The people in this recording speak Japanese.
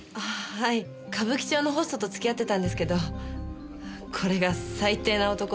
はい歌舞伎町のホストと付き合ってたんですけどこれが最低な男で。